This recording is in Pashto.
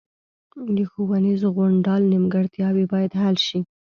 د ښوونیز غونډال نیمګړتیاوې باید حل شي